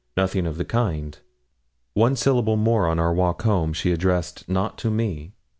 Nothing of the kind. One syllable more, on our walk home, she addressed not to me.